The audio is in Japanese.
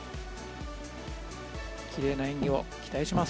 きれいな演技を期待します。